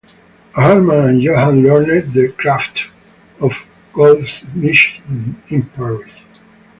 Herman and Johan learned the craft of goldsmithing in Paris.